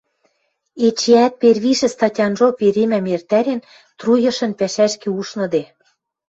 эчеӓт первишӹ статянжок веремӓм эртӓрен, труйышын пӓшӓшкӹ ушныде.